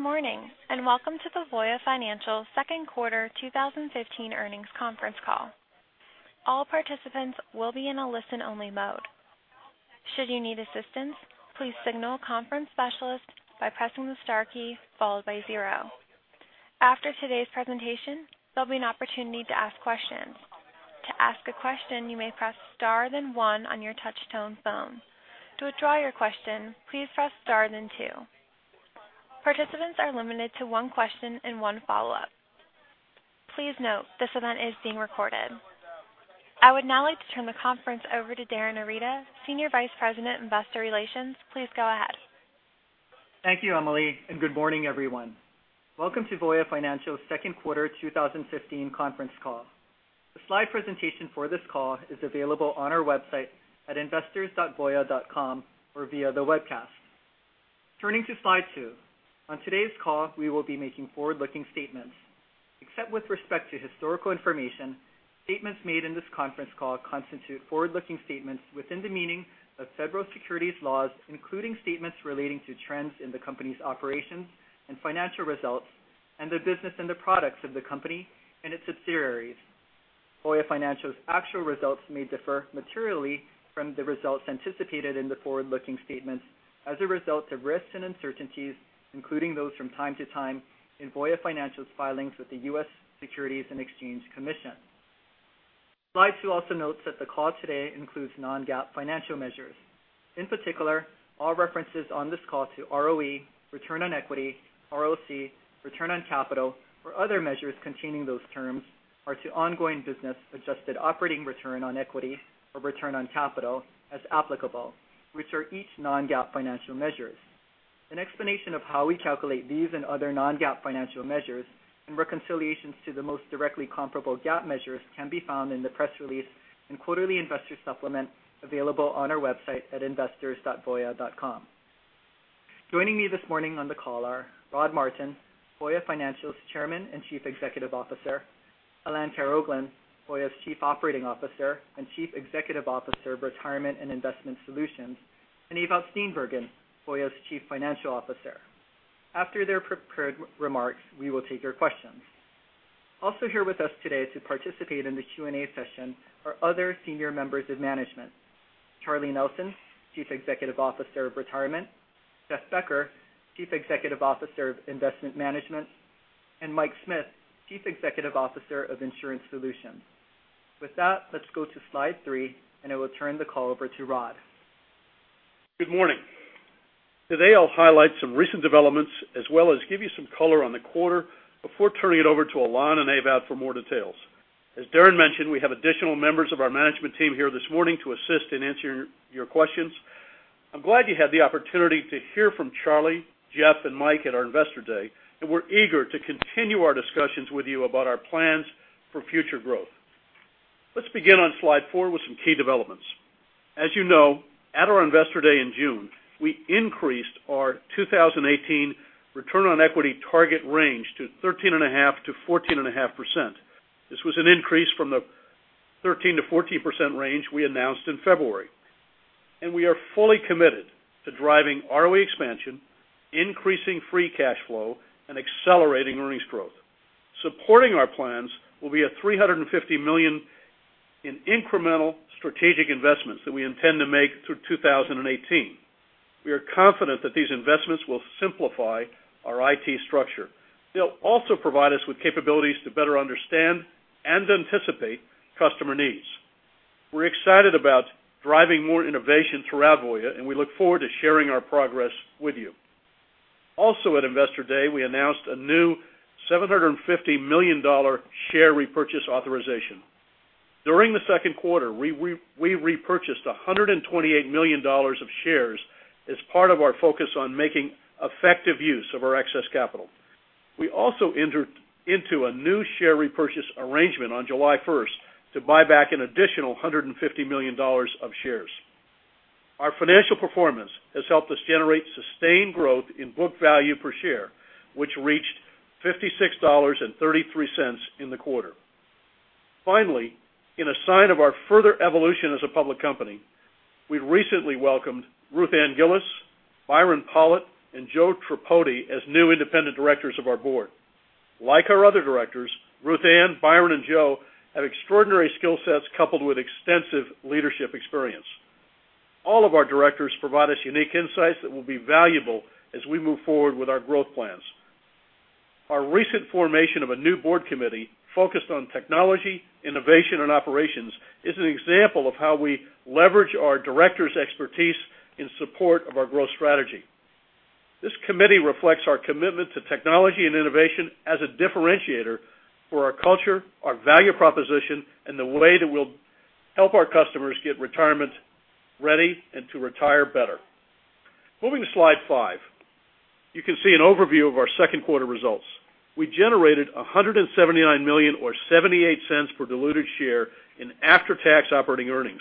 Morning, welcome to the Voya Financial second quarter 2015 earnings conference call. All participants will be in a listen only mode. Should you need assistance, please signal a conference specialist by pressing the star key followed by zero. After today's presentation, there'll be an opportunity to ask questions. To ask a question, you may press star then one on your touchtone phone. To withdraw your question, please press star then two. Participants are limited to one question and one follow-up. Please note, this event is being recorded. I would now like to turn the conference over to Darin Arita, Senior Vice President, Investor Relations. Please go ahead. Thank you, Emily, and good morning, everyone. Welcome to Voya Financial's second quarter 2015 conference call. The slide presentation for this call is available on our website at investors.voya.com or via the webcast. Turning to slide two. On today's call, we will be making forward-looking statements. Except with respect to historical information, statements made in this conference call constitute forward-looking statements within the meaning of federal securities laws, including statements relating to trends in the company's operations and financial results and the business and the products of the company and its subsidiaries. Voya Financial's actual results may differ materially from the results anticipated in the forward-looking statements as a result of risks and uncertainties, including those from time to time in Voya Financial's filings with the U.S. Securities and Exchange Commission. Slide two also notes that the call today includes non-GAAP financial measures. In particular, all references on this call to ROE, return on equity, ROC, return on capital, or other measures containing those terms are to ongoing business adjusted operating return on equity or return on capital as applicable, which are each non-GAAP financial measures. An explanation of how we calculate these and other non-GAAP financial measures and reconciliations to the most directly comparable GAAP measures can be found in the press release and quarterly investor supplement available on our website at investors.voya.com. Joining me this morning on the call are Rod Martin, Voya Financial's Chairman and Chief Executive Officer, Alain Karaoglan, Voya's Chief Operating Officer and Chief Executive Officer of Retirement and Investment Solutions, and Ewout Steenbergen, Voya's Chief Financial Officer. After their prepared remarks, we will take your questions. Also here with us today to participate in the Q&A session are other senior members of management, Charlie Nelson, Chief Executive Officer of Retirement, Jeff Becker, Chief Executive Officer of Investment Management, and Mike Smith, Chief Executive Officer of Insurance Solutions. With that, let's go to slide three, and I will turn the call over to Rod. Good morning. Today, I'll highlight some recent developments as well as give you some color on the quarter before turning it over to Alain and Ewout for more details. As Darin mentioned, we have additional members of our management team here this morning to assist in answering your questions. I'm glad you had the opportunity to hear from Charlie, Jeff, and Mike at our Investor Day. We're eager to continue our discussions with you about our plans for future growth. Let's begin on slide four with some key developments. As you know, at our Investor Day in June, we increased our 2018 return on equity target range to 13.5%-14.5%. This was an increase from the 13%-14% range we announced in February. We are fully committed to driving ROE expansion, increasing free cash flow, and accelerating earnings growth. Supporting our plans will be a $350 million in incremental strategic investments that we intend to make through 2018. We are confident that these investments will simplify our IT structure. They'll also provide us with capabilities to better understand and anticipate customer needs. We're excited about driving more innovation throughout Voya, and we look forward to sharing our progress with you. Also at Investor Day, we announced a new $750 million share repurchase authorization. During the second quarter, we repurchased $128 million of shares as part of our focus on making effective use of our excess capital. We also entered into a new share repurchase arrangement on July 1st to buy back an additional $150 million of shares. Our financial performance has helped us generate sustained growth in book value per share, which reached $56.33 in the quarter. Finally, in a sign of our further evolution as a public company, we recently welcomed Ruth Ann Gillis, Byron Pollitt, and Joe Tripodi as new independent directors of our board. Like our other directors, Ruth Ann, Byron, and Joe have extraordinary skill sets coupled with extensive leadership experience. All of our directors provide us unique insights that will be valuable as we move forward with our growth plans. Our recent formation of a new board committee focused on technology, innovation, and operations is an example of how we leverage our directors' expertise in support of our growth strategy. This committee reflects our commitment to technology and innovation as a differentiator for our culture, our value proposition, and the way that we'll help our customers get retirement ready and to retire better. Moving to slide five, you can see an overview of our second quarter results. We generated $179 million or $0.78 per diluted share in after-tax operating earnings.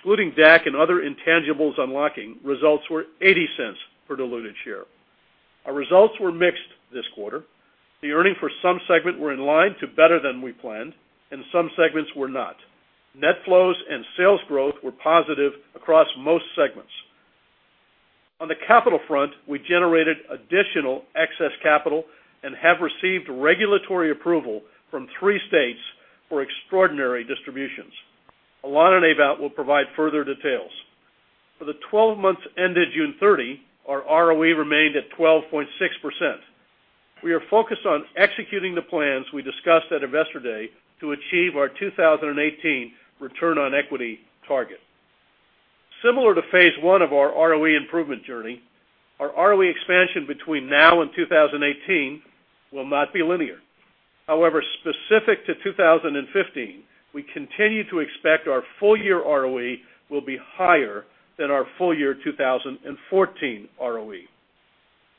Excluding DAC and other intangibles unlocking, results were $0.80 per diluted share. Our results were mixed this quarter. The earnings for some segments were in line to better than we planned. Some segments were not. Net flows and sales growth were positive across most segments. On the capital front, we generated additional excess capital and have received regulatory approval from three states for extraordinary distributions. Alain Karaoglan will provide further details. For the 12 months ended June 30, our ROE remained at 12.6%. We are focused on executing the plans we discussed at Investor Day to achieve our 2018 return on equity target. Similar to phase one of our ROE improvement journey, our ROE expansion between now and 2018 will not be linear. However, specific to 2015, we continue to expect our full year ROE will be higher than our full year 2014 ROE.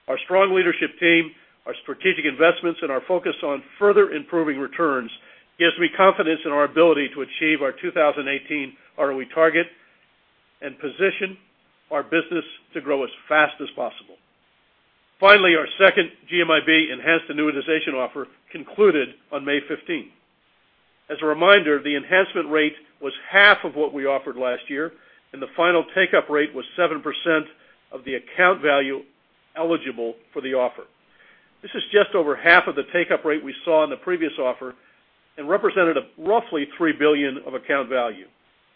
Our strong leadership team, our strategic investments, and our focus on further improving returns gives me confidence in our ability to achieve our 2018 ROE target and position our business to grow as fast as possible. Finally, our second GMIB enhanced annuitization offer concluded on May 15. As a reminder, the enhancement rate was half of what we offered last year, and the final take-up rate was 7% of the account value eligible for the offer. This is just over half of the take-up rate we saw in the previous offer and represented roughly $3 billion of account value.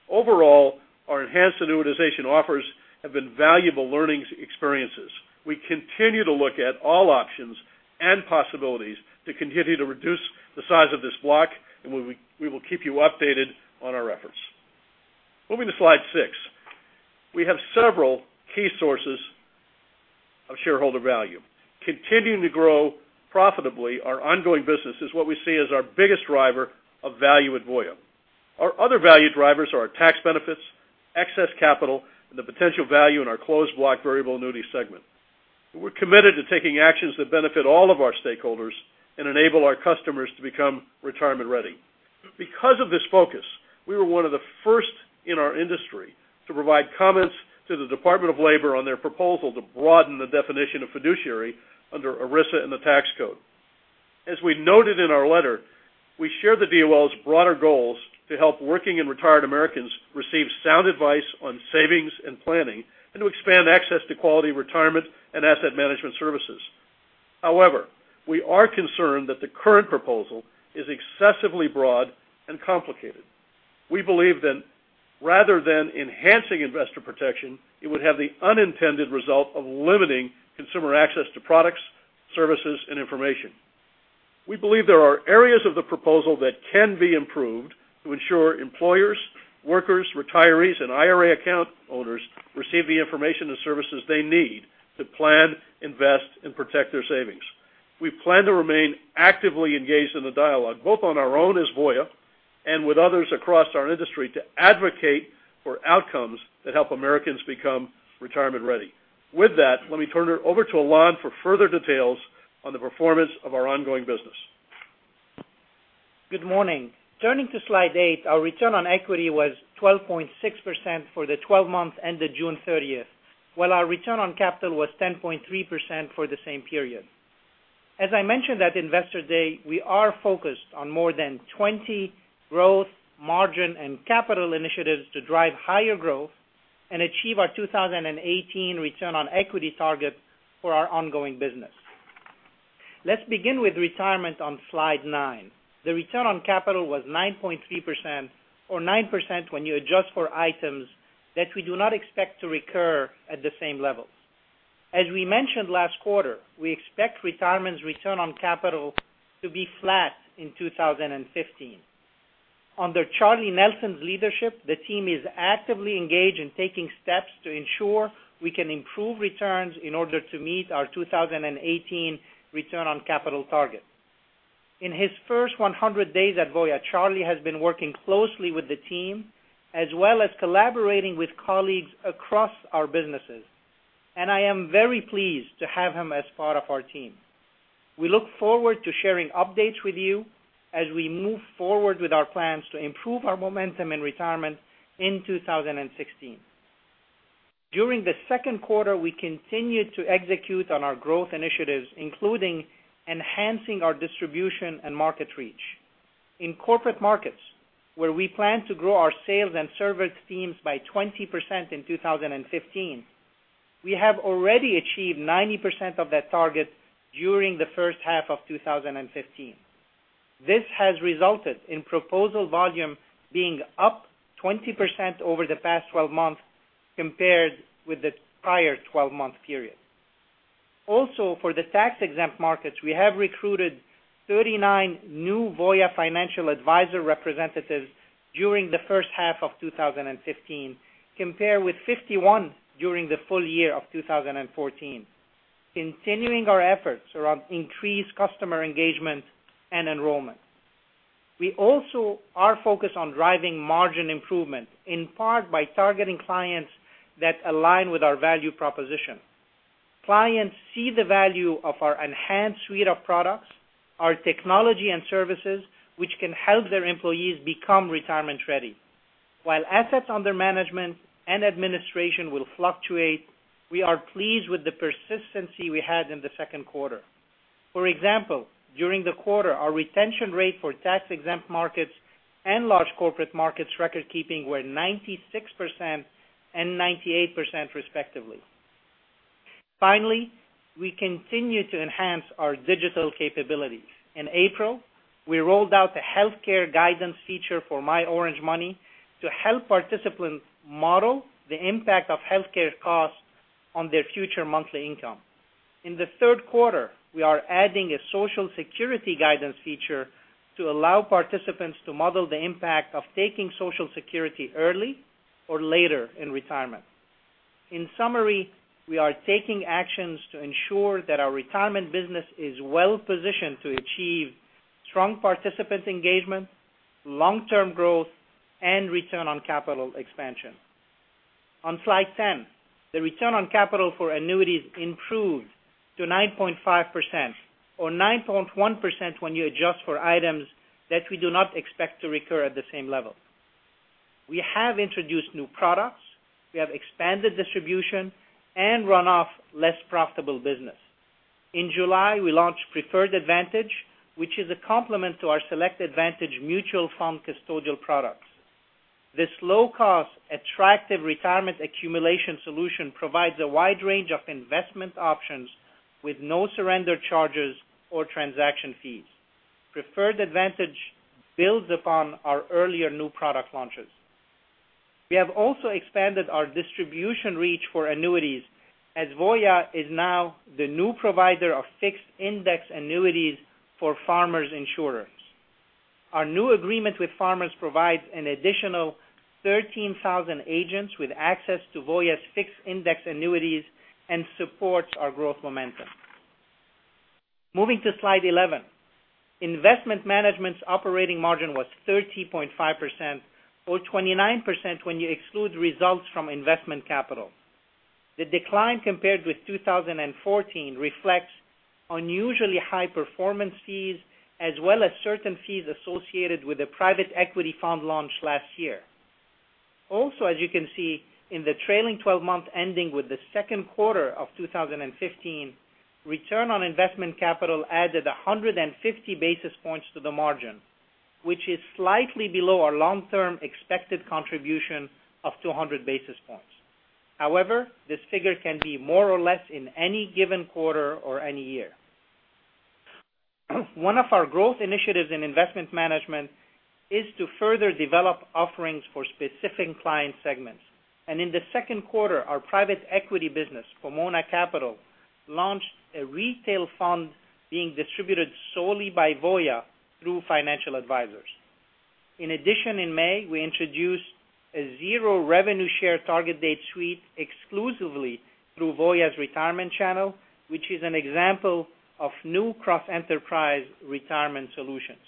Overall, our enhanced annuitization offers have been valuable learning experiences. We continue to look at all options and possibilities to continue to reduce the size of this block, and we will keep you updated on our efforts. Moving to slide six. We have several key sources of shareholder value. Continuing to grow profitably our ongoing business is what we see as our biggest driver of value at Voya. Our other value drivers are our tax benefits, excess capital, and the potential value in our closed block variable annuity segment. We're committed to taking actions that benefit all of our stakeholders and enable our customers to become retirement ready. Because of this focus, we were one of the first in our industry to provide comments to the Department of Labor on their proposal to broaden the definition of fiduciary under ERISA and the tax code. As we noted in our letter, we share the DOL's broader goals to help working and retired Americans receive sound advice on savings and planning, and to expand access to quality retirement and asset management services. However, we are concerned that the current proposal is excessively broad and complicated. We believe that rather than enhancing investor protection, it would have the unintended result of limiting consumer access to products, services, and information. We believe there are areas of the proposal that can be improved to ensure employers, workers, retirees, and IRA account owners receive the information and services they need to plan, invest, and protect their savings. We plan to remain actively engaged in the dialogue, both on our own as Voya and with others across our industry, to advocate for outcomes that help Americans become retirement ready. With that, let me turn it over to Alain for further details on the performance of our ongoing business. Good morning. Turning to slide eight, our return on equity was 12.6% for the 12 months ended June 30th, while our return on capital was 10.3% for the same period. As I mentioned at Investor Day, we are focused on more than 20 growth, margin, and capital initiatives to drive higher growth and achieve our 2018 return on equity target for our ongoing business. Let's begin with retirement on slide nine. The return on capital was 9.3%, or 9% when you adjust for items that we do not expect to recur at the same levels. As we mentioned last quarter, we expect retirement's return on capital to be flat in 2015. Under Charlie Nelson's leadership, the team is actively engaged in taking steps to ensure we can improve returns in order to meet our 2018 return on capital target. In his first 100 days at Voya, Charlie has been working closely with the team, as well as collaborating with colleagues across our businesses, and I am very pleased to have him as part of our team. We look forward to sharing updates with you as we move forward with our plans to improve our momentum in retirement in 2016. During the second quarter, we continued to execute on our growth initiatives, including enhancing our distribution and market reach. In corporate markets, where we plan to grow our sales and service teams by 20% in 2015, we have already achieved 90% of that target during the first half of 2015. This has resulted in proposal volume being up 20% over the past 12 months compared with the prior 12-month period. Also, for the tax-exempt markets, we have recruited 39 new Voya Financial advisor representatives during the first half of 2015, compared with 51 during the full year of 2014, continuing our efforts around increased customer engagement and enrollment. We also are focused on driving margin improvement, in part by targeting clients that align with our value proposition. Clients see the value of our enhanced suite of products, our technology and services, which can help their employees become retirement ready. While assets under management and administration will fluctuate, we are pleased with the persistency we had in the second quarter. For example, during the quarter, our retention rate for tax-exempt markets and large corporate markets recordkeeping were 96% and 98%, respectively. Finally, we continue to enhance our digital capabilities. In April, we rolled out the healthcare guidance feature for myOrangeMoney to help participants model the impact of healthcare costs on their future monthly income. In the third quarter, we are adding a Social Security guidance feature to allow participants to model the impact of taking Social Security early or later in retirement. In summary, we are taking actions to ensure that our retirement business is well-positioned to achieve strong participant engagement, long-term growth, and return on capital expansion. On slide 10, the return on capital for annuities improved to 9.5%, or 9.1% when you adjust for items that we do not expect to recur at the same level. We have introduced new products. We have expanded distribution and run off less profitable business. In July, we launched Preferred Advantage, which is a complement to our Select Advantage mutual fund custodial products. This low-cost, attractive retirement accumulation solution provides a wide range of investment options with no surrender charges or transaction fees. Voya Preferred Advantage builds upon our earlier new product launches. We have also expanded our distribution reach for annuities, as Voya is now the new provider of fixed index annuities for Farmers Insurance As you can see, in the trailing 12 months ending with the second quarter of 2015, return on investment capital added 150 basis points to the margin, which is slightly below our long-term expected contribution of 200 basis points. However, this figure can be more or less in any given quarter or any year. One of our growth initiatives in investment management is to further develop offerings for specific client segments. In the second quarter, our private equity business, Pomona Capital, launched a retail fund being distributed solely by Voya through financial advisors. In addition, in May, we introduced a zero revenue share target date suite exclusively through Voya's retirement channel, which is an example of new cross-enterprise retirement solutions.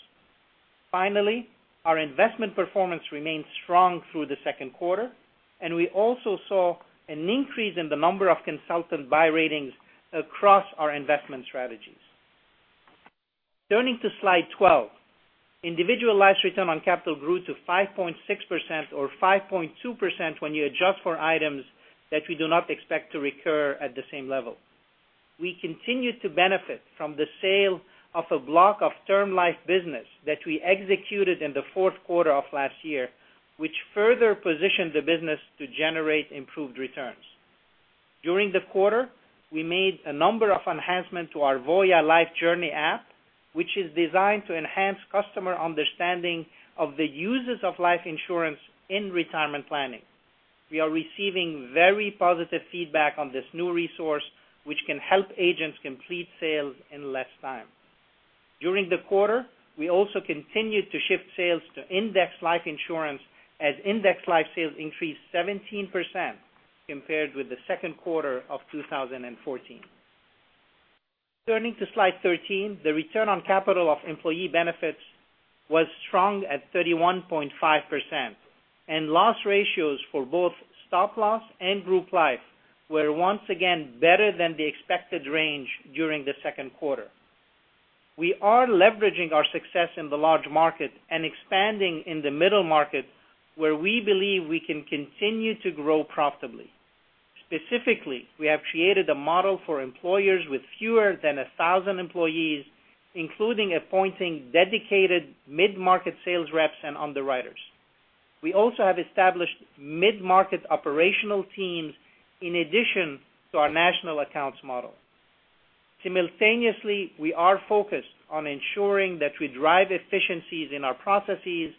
Finally, our investment performance remained strong through the second quarter, and we also saw an increase in the number of consultant buy ratings across our investment strategies. Turning to slide 12. Individual life return on capital grew to 5.6%, or 5.2% when you adjust for items that we do not expect to recur at the same level. We continued to benefit from the sale of a block of term life business that we executed in the fourth quarter of last year, which further positioned the business to generate improved returns. During the quarter, we made a number of enhancements to our Voya Life Journey app, which is designed to enhance customer understanding of the uses of life insurance in retirement planning. We are receiving very positive feedback on this new resource, which can help agents complete sales in less time. During the quarter, we also continued to shift sales to index life insurance as index life sales increased 17% compared with the second quarter of 2014. Turning to slide 13, the return on capital of Employee Benefits was strong at 31.5%, and loss ratios for both stop-loss and group life were once again better than the expected range during the second quarter. We are leveraging our success in the large market and expanding in the middle market where we believe we can continue to grow profitably. Specifically, we have created a model for employers with fewer than 1,000 employees, including appointing dedicated mid-market sales reps and underwriters. We also have established mid-market operational teams in addition to our national accounts model. Simultaneously, we are focused on ensuring that we drive efficiencies in our processes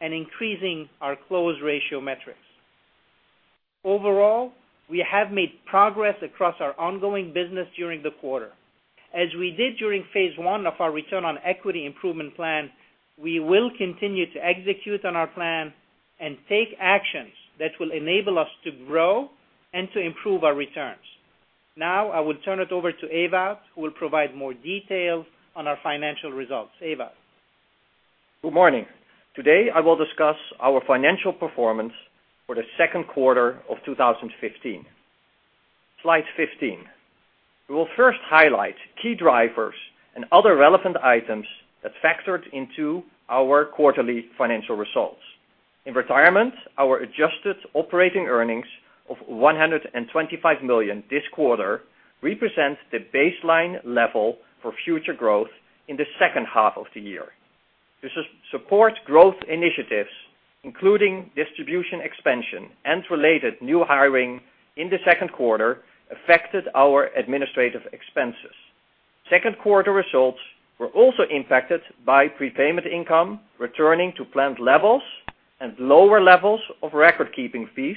and increasing our close ratio metrics. Overall, we have made progress across our ongoing business during the quarter. As we did during phase one of our return on equity improvement plan, we will continue to execute on our plan and take actions that will enable us to grow and to improve our returns. I will turn it over to Ewout, who will provide more details on our financial results. Ewout? Good morning. Today, I will discuss our financial performance for the second quarter of 2015. Slide 15. We will first highlight key drivers and other relevant items that factored into our quarterly financial results. In Retirement, our adjusted operating earnings of $125 million this quarter represents the baseline level for future growth in the second half of the year. This supports growth initiatives, including distribution expansion and related new hiring in the second quarter, affected our administrative expenses. Second quarter results were also impacted by prepayment income returning to planned levels and lower levels of record-keeping fees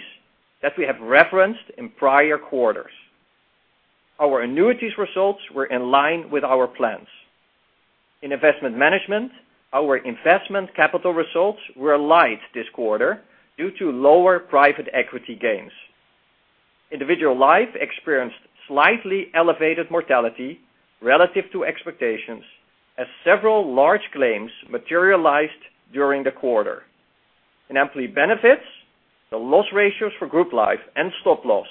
that we have referenced in prior quarters. Our annuities results were in line with our plans. In Investment Management, our investment capital results were light this quarter due to lower private equity gains. Individual life experienced slightly elevated mortality relative to expectations as several large claims materialized during the quarter. In Employee Benefits, the loss ratios for group life and stop-loss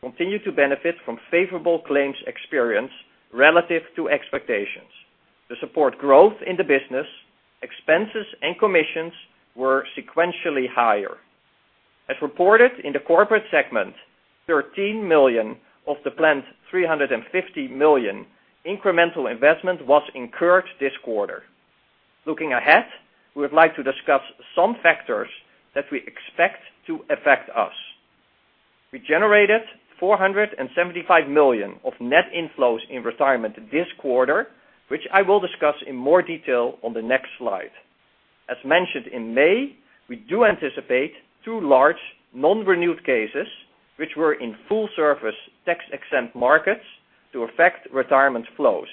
continued to benefit from favorable claims experience relative to expectations. To support growth in the business, expenses and commissions were sequentially higher. As reported in the corporate segment, $13 million of the planned $350 million incremental investment was incurred this quarter. Looking ahead, we would like to discuss some factors that we expect to affect us. We generated $475 million of net inflows in Retirement this quarter, which I will discuss in more detail on the next slide. As mentioned in May, we do anticipate two large non-renewed cases, which were in full-service tax-exempt markets, to affect Retirement flows.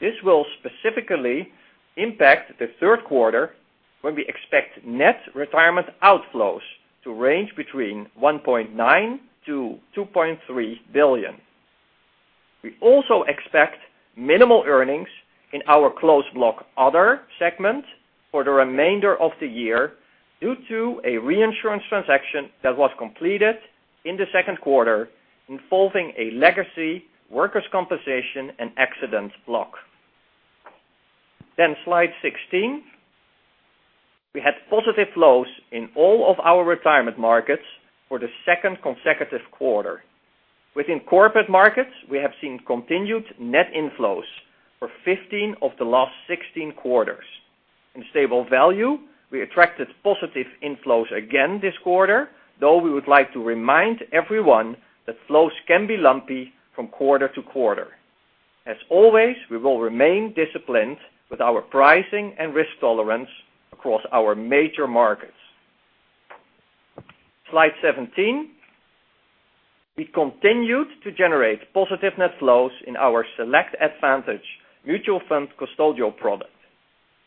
This will specifically impact the third quarter when we expect net Retirement outflows to range between $1.9 billion-$2.3 billion. We also expect minimal earnings in our closed block other segment for the remainder of the year due to a reinsurance transaction that was completed in the second quarter involving a legacy workers' compensation and accident block. Slide 16. We had positive flows in all of our Retirement markets for the second consecutive quarter. Within corporate markets, we have seen continued net inflows for 15 of the last 16 quarters. In stable value, we attracted positive inflows again this quarter, though we would like to remind everyone that flows can be lumpy from quarter to quarter. As always, we will remain disciplined with our pricing and risk tolerance across our major markets. Slide 17. We continued to generate positive net flows in our Select Advantage mutual fund custodial product.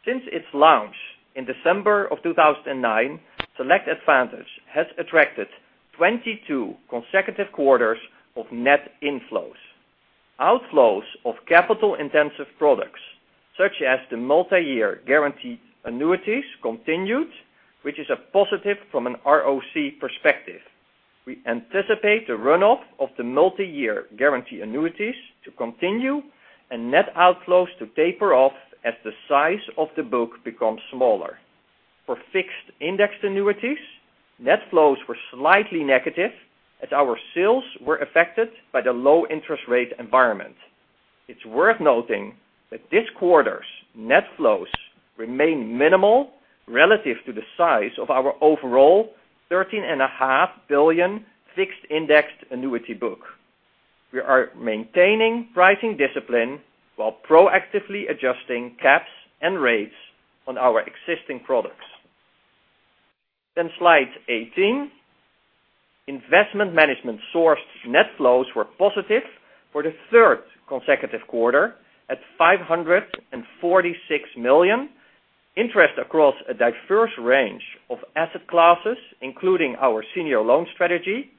Since its launch in December of 2009, Select Advantage has attracted 22 consecutive quarters of net inflows. Outflows of capital-intensive products, such as the multi-year guaranteed annuities continued, which is a positive from an ROC perspective. We anticipate the runoff of the multi-year guaranteed annuities to continue and net outflows to taper off as the size of the book becomes smaller. For fixed index annuities, net flows were slightly negative as our sales were affected by the low interest rate environment. It's worth noting that this quarter's net flows remain minimal relative to the size of our overall $13.5 billion fixed index annuity book. We are maintaining pricing discipline while proactively adjusting caps and rates on our existing products. Slide 18. Investment Management sourced net flows were positive for the third consecutive quarter at $546 million. Interest across a diverse range of asset classes, including our senior loan strategy,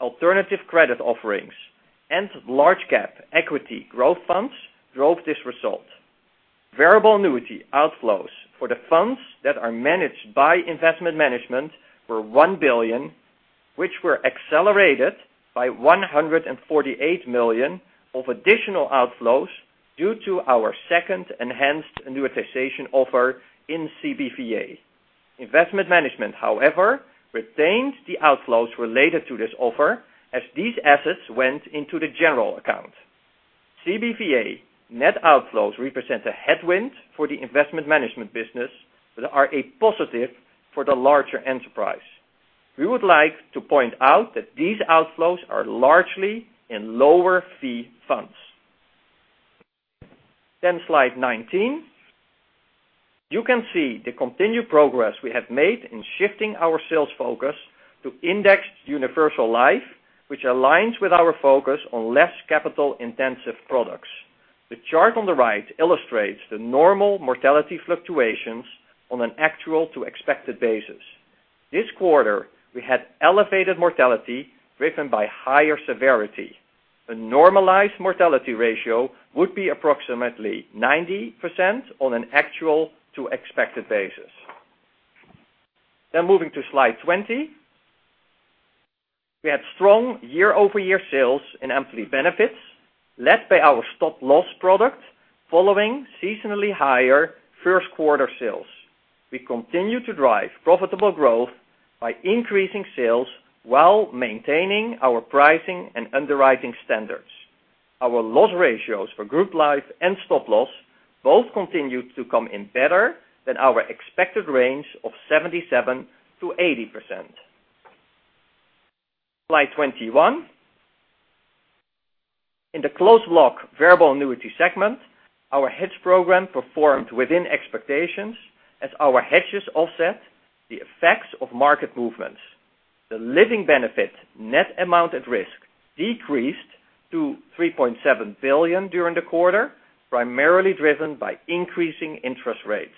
alternative credit offerings, and large cap equity growth funds drove this result. Variable annuity outflows for the funds that are managed by Investment Management were $1 billion, which were accelerated by $148 million of additional outflows due to our second enhanced annuitization offer in CBVA. Investment Management, however, retained the outflows related to this offer as these assets went into the general account. CBVA net outflows represent a headwind for the Investment Management business that are a positive for the larger enterprise. We would like to point out that these outflows are largely in lower fee funds. Slide 19. You can see the continued progress we have made in shifting our sales focus to indexed universal life, which aligns with our focus on less capital-intensive products. The chart on the right illustrates the normal mortality fluctuations on an actual to expected basis. This quarter, we had elevated mortality driven by higher severity. A normalized mortality ratio would be approximately 90% on an actual to expected basis. Moving to slide 20. We had strong year-over-year sales in employee benefits, led by our stop-loss product following seasonally higher first quarter sales. We continue to drive profitable growth by increasing sales while maintaining our pricing and underwriting standards. Our loss ratios for group life and stop-loss both continued to come in better than our expected range of 77%-80%. Slide 21. In the closed block variable annuity segment, our hedges program performed within expectations as our hedges offset the effects of market movements. The living benefit net amount at risk decreased to $3.7 billion during the quarter, primarily driven by increasing interest rates.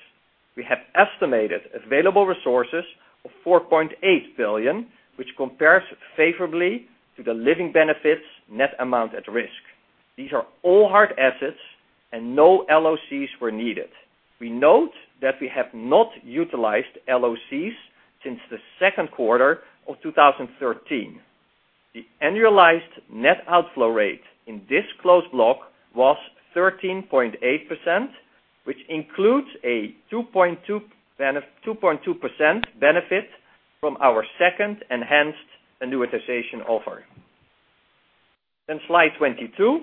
We have estimated available resources of $4.8 billion, which compares favorably to the living benefits net amount at risk. These are all hard assets, and no LOCs were needed. We note that we have not utilized LOCs since the second quarter of 2013. The annualized net outflow rate in this closed block was 13.8%, which includes a 2.2% benefit from our second enhanced annuitization offer. Slide 22.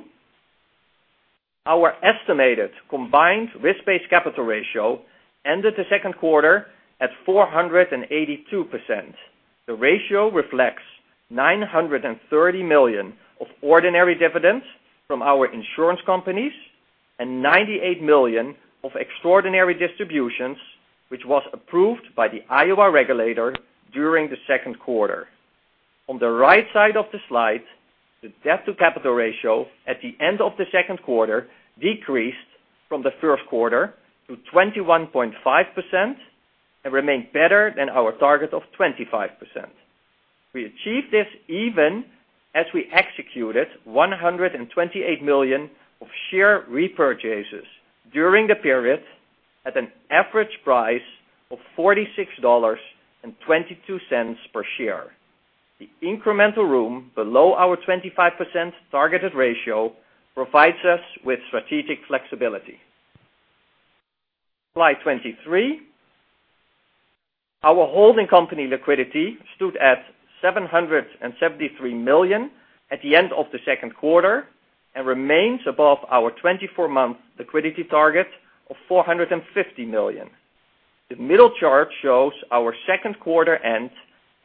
Our estimated combined risk-based capital ratio ended the second quarter at 482%. The ratio reflects $930 million of ordinary dividends from our insurance companies and $98 million of extraordinary distributions, which was approved by the Iowa regulator during the second quarter. On the right side of the slide, the debt-to-capital ratio at the end of the second quarter decreased from the first quarter to 21.5% and remained better than our target of 25%. We achieved this even as we executed $128 million of share repurchases during the period at an average price of $46.22 per share. The incremental room below our 25% targeted ratio provides us with strategic flexibility. Slide 23. Our holding company liquidity stood at $773 million at the end of the second quarter and remains above our 24-month liquidity target of $450 million. The middle chart shows our second quarter-end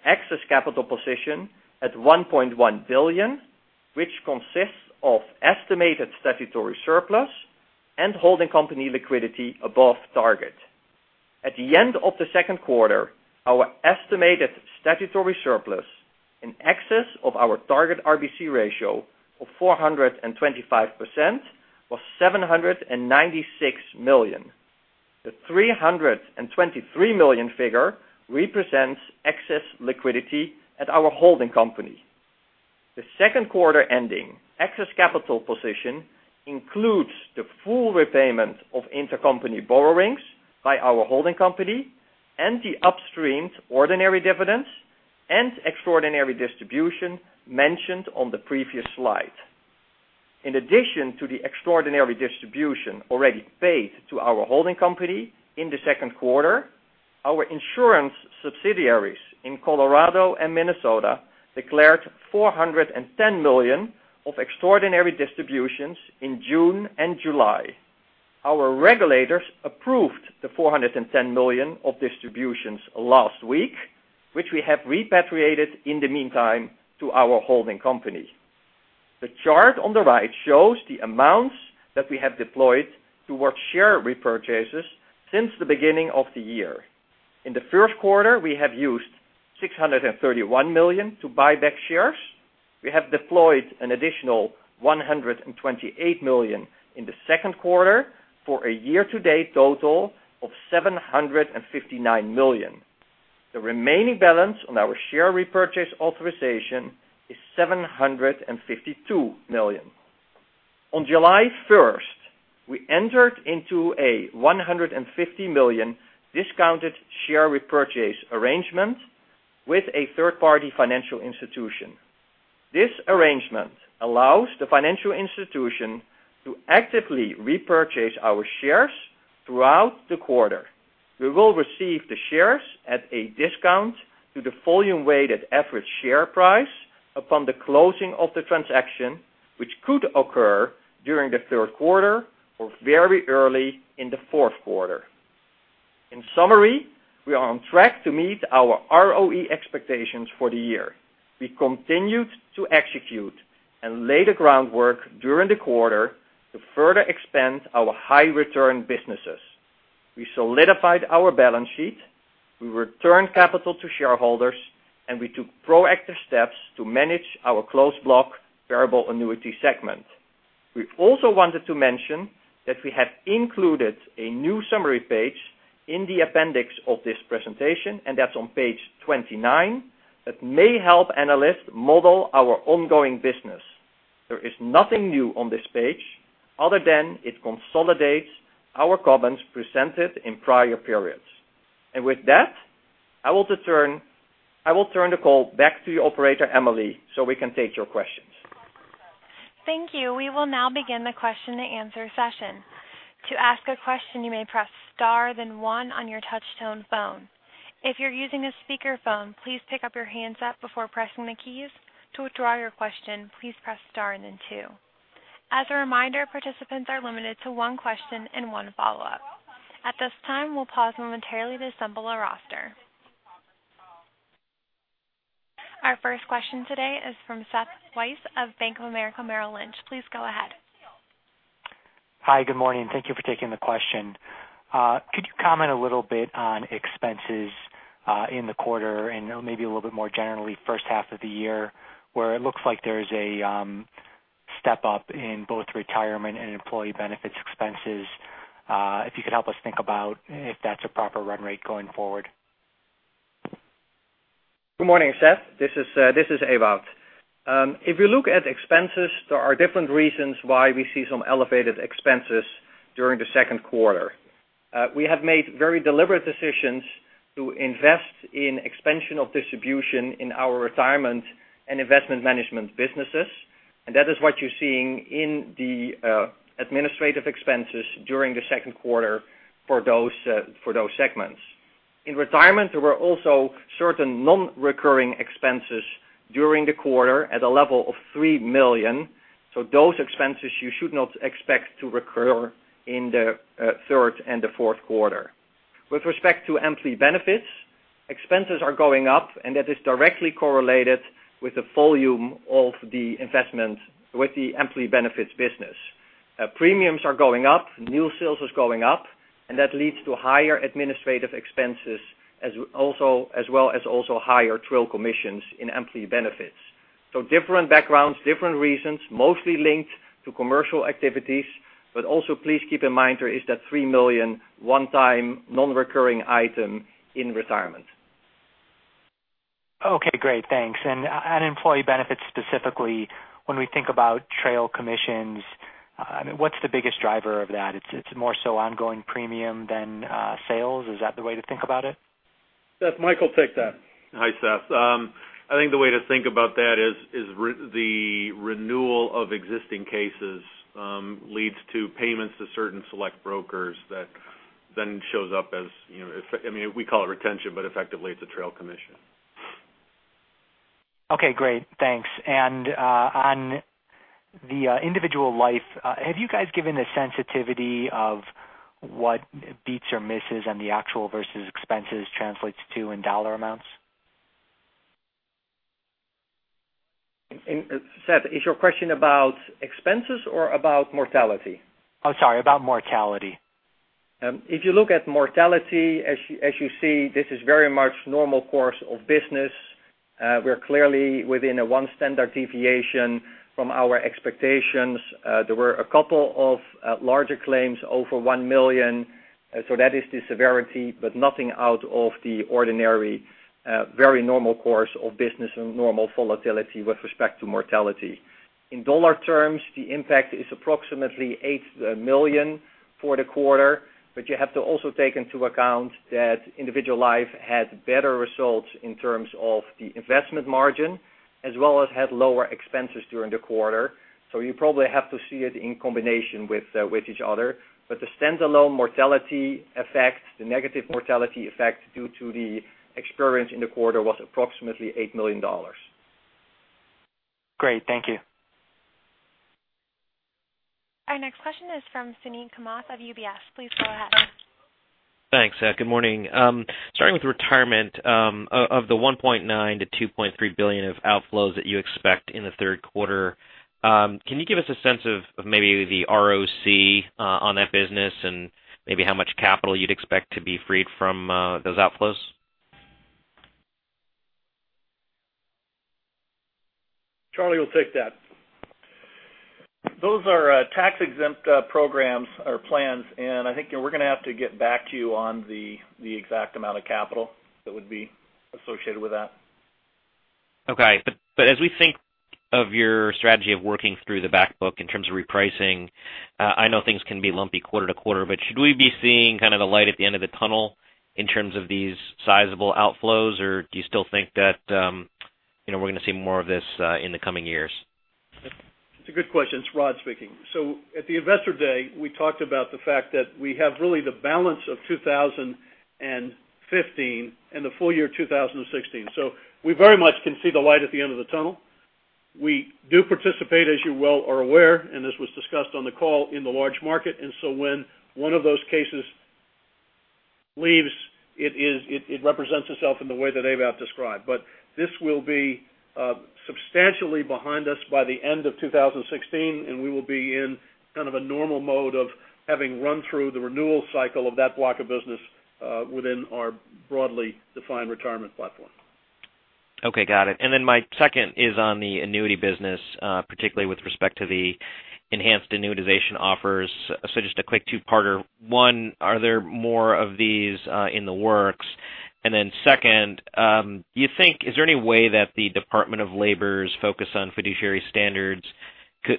excess capital position at $1.1 billion, which consists of estimated statutory surplus and holding company liquidity above target. At the end of the second quarter, our estimated statutory surplus in excess of our target RBC ratio of 425% was $796 million. The $323 million figure represents excess liquidity at our holding company. The second quarter ending excess capital position includes the full repayment of intercompany borrowings by our holding company and the upstreamed ordinary dividends and extraordinary distribution mentioned on the previous slide. In addition to the extraordinary distribution already paid to our holding company in the second quarter, our insurance subsidiaries in Colorado and Minnesota declared $410 million of extraordinary distributions in June and July. Our regulators approved the $410 million of distributions last week, which we have repatriated in the meantime to our holding company. The chart on the right shows the amounts that we have deployed towards share repurchases since the beginning of the year. In the first quarter, we have used $631 million to buy back shares. We have deployed an additional $128 million in the second quarter for a year-to-date total of $759 million. The remaining balance on our share repurchase authorization is $752 million. On July 1st, we entered into a $150 million discounted share repurchase arrangement with a third-party financial institution. This arrangement allows the financial institution to actively repurchase our shares throughout the quarter. We will receive the shares at a discount to the volume-weighted average share price upon the closing of the transaction, which could occur during the third quarter or very early in the fourth quarter. In summary, we are on track to meet our ROE expectations for the year. We continued to execute and lay the groundwork during the quarter to further expand our high return businesses. We solidified our balance sheet, we returned capital to shareholders, and we took proactive steps to manage our closed block variable annuity segment. We also wanted to mention that we have included a new summary page in the appendix of this presentation, and that's on page 29, that may help analysts model our ongoing business. There is nothing new on this page other than it consolidates our comments presented in prior periods. With that, I will turn the call back to the operator, Emily, so we can take your questions. Thank you. We will now begin the question and answer session. To ask a question, you may press star then one on your touchtone phone. If you're using a speakerphone, please pick up your handset before pressing the keys. To withdraw your question, please press star and then two. As a reminder, participants are limited to one question and one follow-up. At this time, we'll pause momentarily to assemble a roster. Our first question today is from Seth Weiss of Bank of America Merrill Lynch. Please go ahead. Hi. Good morning. Thank you for taking the question. Could you comment a little on expenses in the quarter and maybe a little more generally first half of the year, where it looks like there's a step up in both retirement and employee benefits expenses? If you could help us think about if that's a proper run rate going forward. Good morning, Seth. This is Ewout. If you look at expenses, there are different reasons why we see some elevated expenses during the second quarter. We have made very deliberate decisions to invest in expansion of distribution in our retirement and investment management businesses, and that is what you're seeing in the administrative expenses during the second quarter for those segments. In retirement, there were also certain non-recurring expenses during the quarter at a level of $3 million. Those expenses you should not expect to recur in the third and the fourth quarter. With respect to employee benefits, expenses are going up, and that is directly correlated with the volume of the investment with the employee benefits business. Premiums are going up, new sales is going up, and that leads to higher administrative expenses as well as also higher trail commissions in employee benefits. Different backgrounds, different reasons, mostly linked to commercial activities. Also, please keep in mind there is that $3 million one-time non-recurring item in retirement. Okay, great. Thanks. On employee benefits specifically, when we think about trail commissions, what's the biggest driver of that? It's more so ongoing premium than sales. Is that the way to think about it? Seth, Mike will take that. Hi, Seth. I think the way to think about that is the renewal of existing cases leads to payments to certain select brokers that then shows up as, we call it retention, but effectively it's a trail commission. Okay, great. Thanks. On the individual life, have you guys given a sensitivity of what beats or misses on the actual versus expenses translates to in dollar amounts? Seth, is your question about expenses or about mortality? Sorry, about mortality. If you look at mortality, as you see, this is very much normal course of business. We're clearly within a 1 standard deviation from our expectations. There were a couple of larger claims over $1 million. That is the severity, but nothing out of the ordinary. Very normal course of business and normal volatility with respect to mortality. In dollar terms, the impact is approximately $8 million for the quarter. You have to also take into account that individual life had better results in terms of the investment margin as well as had lower expenses during the quarter. You probably have to see it in combination with each other. The standalone mortality effect, the negative mortality effect due to the experience in the quarter was approximately $8 million. Great. Thank you. Our next question is from Suneet Kamath of UBS. Please go ahead. Thanks. Good morning. Starting with retirement, of the $1.9 billion-$2.3 billion of outflows that you expect in the third quarter, can you give us a sense of maybe the ROC on that business and maybe how much capital you'd expect to be freed from those outflows? Charlie will take that. Those are tax-exempt programs or plans, I think we're going to have to get back to you on the exact amount of capital that would be associated with that. Okay. As we think of your strategy of working through the back book in terms of repricing, I know things can be lumpy quarter-to-quarter, should we be seeing kind of the light at the end of the tunnel in terms of these sizable outflows, or do you still think that we're going to see more of this in the coming years? It's a good question. It's Rod speaking. At the investor day, we talked about the fact that we have really the balance of 2015 and the full year 2016. We very much can see the light at the end of the tunnel. We do participate, as you well are aware, and this was discussed on the call in the large market. When one of those cases leaves, it represents itself in the way that Ewout described. This will be substantially behind us by the end of 2016, and we will be in kind of a normal mode of having run through the renewal cycle of that block of business, within our broadly defined retirement platform. Okay, got it. My second is on the annuity business, particularly with respect to the enhanced annuitization offers. Just a quick two-parter. One, are there more of these in the works? Second, do you think, is there any way that the Department of Labor's focus on fiduciary standards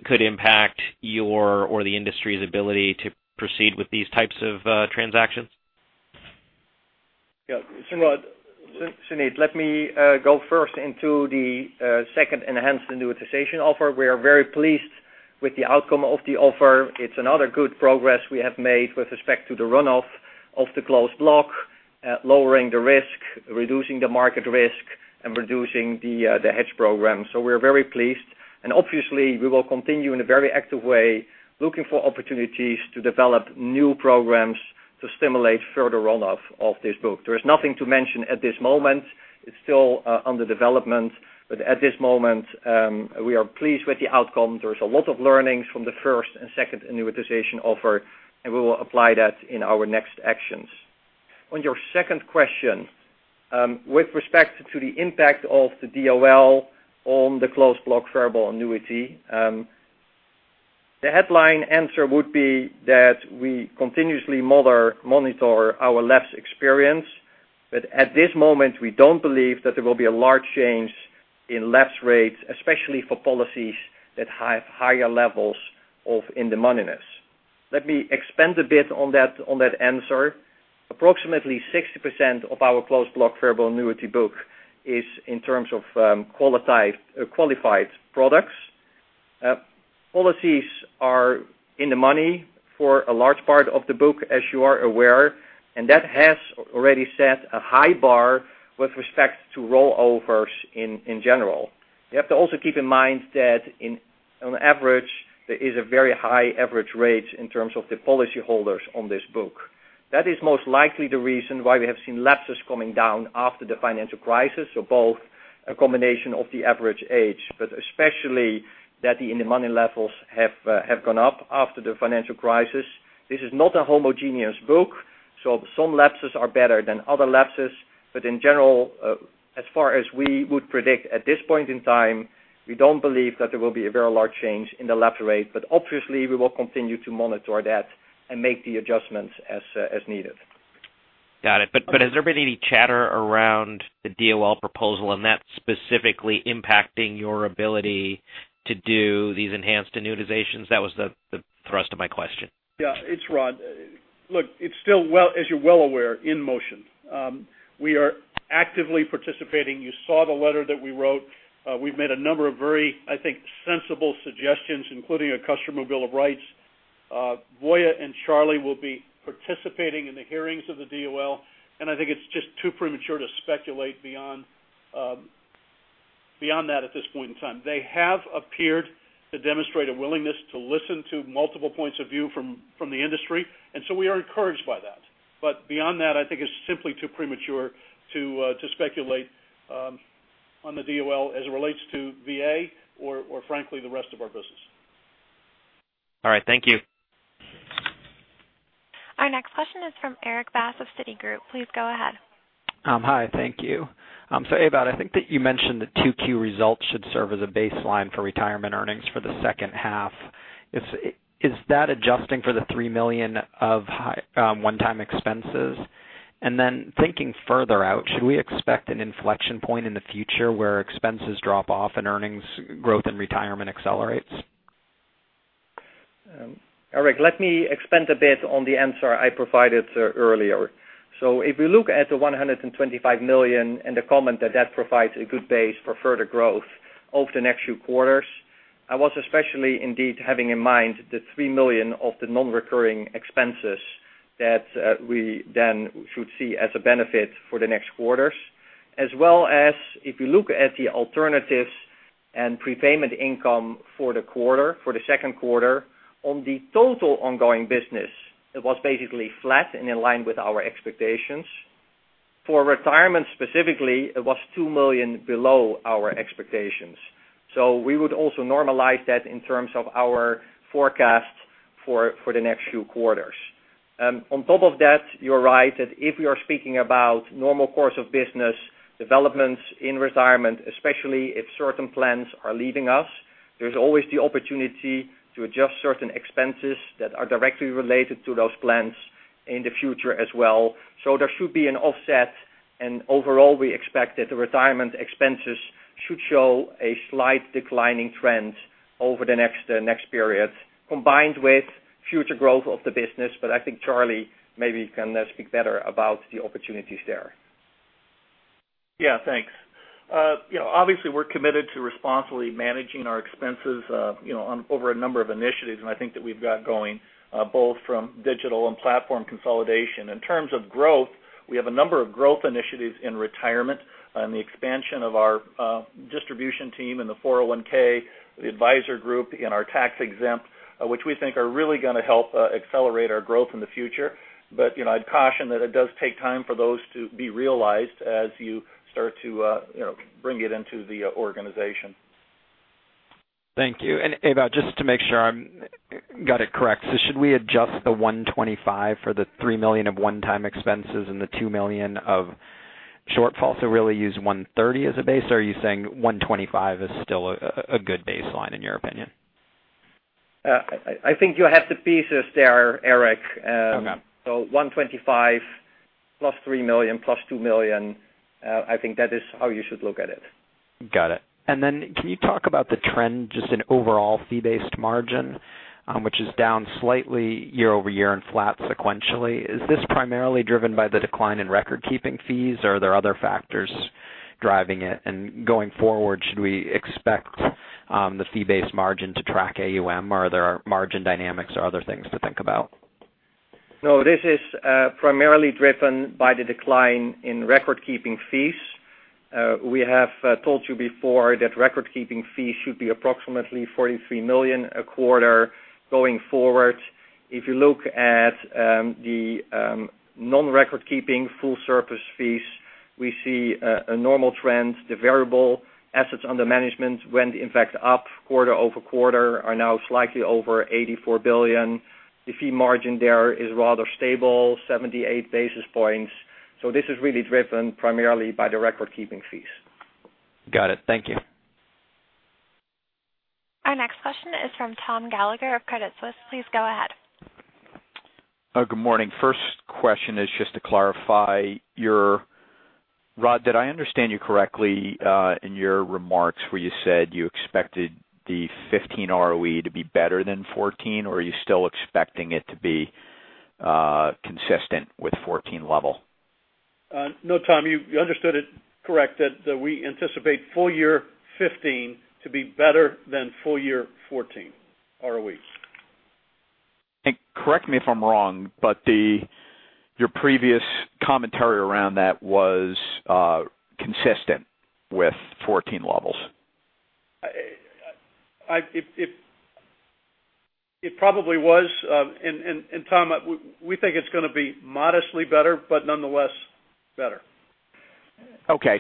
could impact your or the industry's ability to proceed with these types of transactions? Yeah. Rod, Suneet, let me go first into the second enhanced annuitization offer. We are very pleased with the outcome of the offer. It's another good progress we have made with respect to the runoff of the closed block, lowering the risk, reducing the market risk, and reducing the hedge program. We're very pleased, and obviously, we will continue in a very active way, looking for opportunities to develop new programs to stimulate further runoff of this book. There is nothing to mention at this moment. It's still under development, but at this moment, we are pleased with the outcome. There is a lot of learnings from the first and second annuitization offer, and we will apply that in our next actions. On your second question, with respect to the impact of the DOL on the closed block variable annuity, the headline answer would be that we continuously monitor our lapse experience. At this moment, we don't believe that there will be a large change in lapse rates, especially for policies that have higher levels of in-the-moneyness. Let me expand a bit on that answer. Approximately 60% of our closed block variable annuity book is in terms of qualified products. Policies are in the money for a large part of the book, as you are aware, and that has already set a high bar with respect to rollovers in general. You have to also keep in mind that on average, there is a very high average rate in terms of the policy holders on this book. That is most likely the reason why we have seen lapses coming down after the financial crisis. Both a combination of the average age, but especially that the in-the-money levels have gone up after the financial crisis. This is not a homogeneous book, so some lapses are better than other lapses. In general, as far as we would predict at this point in time, we don't believe that there will be a very large change in the lapse rate. Obviously, we will continue to monitor that and make the adjustments as needed. Got it. Has there been any chatter around the DOL proposal and that specifically impacting your ability to do these enhanced annuitizations? That was the thrust of my question. Yeah. It's Rod. Look, it's still, as you're well aware, in motion. We are actively participating. You saw the letter that we wrote. We've made a number of very, I think, sensible suggestions, including a customer bill of rights. Voya and Charlie will be participating in the hearings of the DOL, I think it's just too premature to speculate beyond that at this point in time. They have appeared to demonstrate a willingness to listen to multiple points of view from the industry, we are encouraged by that. Beyond that, I think it's simply too premature to speculate on the DOL as it relates to VA or frankly, the rest of our business. All right. Thank you. Our next question is from Erik Bass of Citigroup. Please go ahead. Hi, thank you. Ewout, I think that you mentioned the 2Q results should serve as a baseline for retirement earnings for the second half. Is that adjusting for the $3 million of one-time expenses? Thinking further out, should we expect an inflection point in the future where expenses drop off and earnings growth and retirement accelerates? Erik, let me expand a bit on the answer I provided earlier. If you look at the $125 million and the comment that that provides a good base for further growth over the next few quarters, I was especially indeed having in mind the $3 million of the non-recurring expenses that we then should see as a benefit for the next quarters. As well as if you look at the alternatives and prepayment income for the quarter, for the second quarter, on the total ongoing business, it was basically flat and in line with our expectations. For retirement specifically, it was $2 million below our expectations. We would also normalize that in terms of our forecast for the next few quarters. On top of that, you're right that if we are speaking about normal course of business developments in retirement, especially if certain plans are leaving us, there's always the opportunity to adjust certain expenses that are directly related to those plans in the future as well. There should be an offset, and overall, we expect that the retirement expenses should show a slight declining trend over the next period, combined with future growth of the business. I think Charlie maybe can speak better about the opportunities there. Thanks. Obviously, we're committed to responsibly managing our expenses over a number of initiatives. I think that we've got going, both from digital and platform consolidation. In terms of growth, we have a number of growth initiatives in retirement and the expansion of our distribution team in the 401(k), the advisor group, and our tax-exempt, which we think are really going to help accelerate our growth in the future. I'd caution that it does take time for those to be realized as you start to bring it into the organization. Thank you. Ewout, just to make sure I got it correct. Should we adjust the $125 for the $3 million of one-time expenses and the $2 million of shortfall, so really use $130 as a base? Or are you saying $125 is still a good baseline in your opinion? I think you have the pieces there, Erik. Okay. $125 plus $3 million plus $2 million, I think that is how you should look at it. Got it. Can you talk about the trend, just in overall fee-based margin, which is down slightly year-over-year and flat sequentially. Is this primarily driven by the decline in recordkeeping fees, or are there other factors driving it? Going forward, should we expect the fee-based margin to track AUM? Are there margin dynamics or other things to think about? This is primarily driven by the decline in recordkeeping fees. We have told you before that recordkeeping fees should be approximately $43 million a quarter going forward. If you look at the non-recordkeeping full service fees, we see a normal trend. The variable assets under management went, in fact, up quarter-over-quarter, are now slightly over $84 billion. The fee margin there is rather stable, 78 basis points. This is really driven primarily by the recordkeeping fees. Got it. Thank you. Our next question is from Thomas Gallagher of Credit Suisse. Please go ahead. Good morning. First question is just to clarify, Rod, did I understand you correctly in your remarks where you said you expected the 2015 ROE to be better than 2014? Or are you still expecting it to be consistent with 2014 level? No, Tom, you understood it correct, that we anticipate full year 2015 to be better than full year 2014 ROEs. Correct me if I'm wrong, your previous commentary around that was consistent with 2014 levels. It probably was. Tom, we think it's going to be modestly better, nonetheless better. Okay.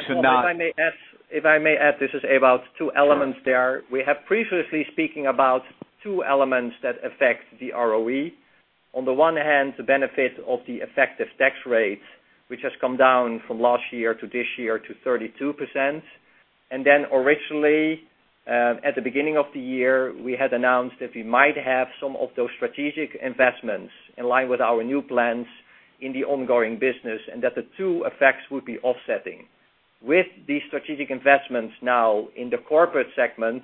If I may add, this is Ewout. Two elements there. We have previously speaking about two elements that affect the ROE. On the one hand, the benefit of the effective tax rate, which has come down from last year to this year to 32%. Originally, at the beginning of the year, we had announced that we might have some of those strategic investments in line with our new plans in the ongoing business, and that the two effects would be offsetting. With these strategic investments now in the corporate segment,